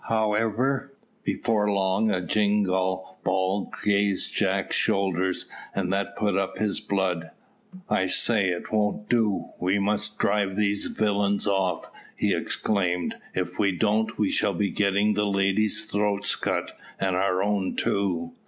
However, before long a jingall ball grazed Jack's shoulder, and that put up his blood. "I say, it won't do, we must drive these villains off," he exclaimed; "if we don't, we shall be getting the ladies' throats cut, and our own too."